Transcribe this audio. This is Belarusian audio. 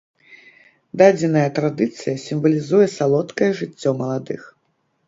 Дадзеная традыцыя сімвалізуе салодкае жыццё маладых.